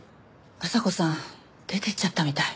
阿佐子さん出てっちゃったみたい。